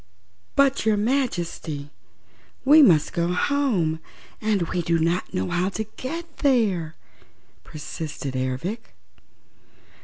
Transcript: "But, your Majesty, we must go home and we do not know how to get there," Ervic persisted.